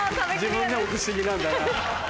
自分でも不思議なんだな。